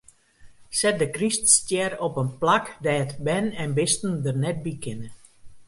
Set de kryststjer op in plak dêr't bern en bisten der net by kinne.